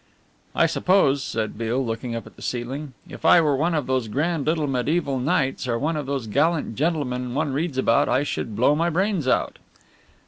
"I suppose," said Beale, looking up at the ceiling, "if I were one of those grand little mediæval knights or one of those gallant gentlemen one reads about I should blow my brains out."